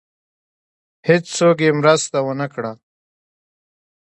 هېڅوک یې مرسته ونه کړه.